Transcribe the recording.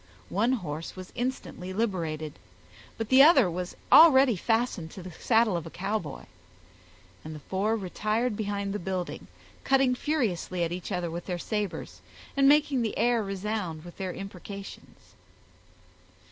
One horse was instantly liberated, but the other was already fastened to the saddle of a Cowboy, and the four retired behind the building, cutting furiously at each other with their sabers, and making the air resound with their imprecations.